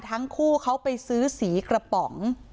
ทั้งคู่เขาไปซื้อสีกระป๋อง